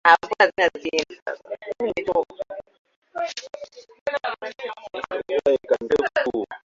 Minyoo hupatikana tumboni utumboni au katika ini